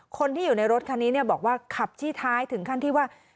คนที่อยู่ในรถคันนี้เนี่ยบอกว่าขับจี้ท้ายถึงขั้นที่ว่า